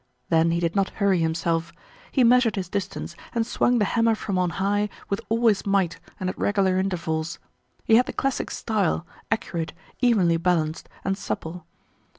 Then he did not hurry himself. He measured his distance, and swung the hammer from on high with all his might and at regular intervals. He had the classic style, accurate, evenly balanced, and supple.